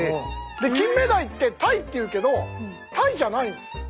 キンメダイって「タイ」っていうけどタイじゃないんです。